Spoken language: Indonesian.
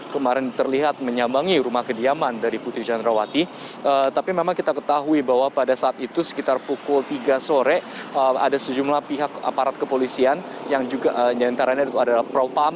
tapi memang kita ketahui bahwa pada saat itu sekitar pukul tiga sore ada sejumlah pihak aparat kepolisian yang terakhir adalah propam